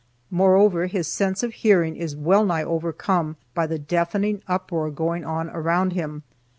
Moreover, his sense of hearing is well nigh overcome by the deafening uproar going on around him.